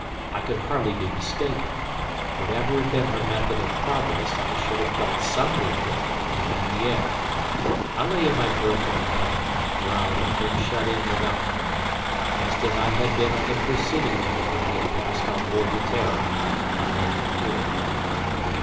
I could hardly be mistaken; whatever had been her method of progress, I should have felt some movement, even in the air. I lay in my berth in the cabin, where I had been shut in without knowing it, just as I had been on the preceding night which I had passed on board the "Terror" on Lake Erie.